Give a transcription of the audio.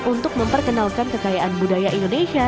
untuk memperkenalkan kekayaan budaya indonesia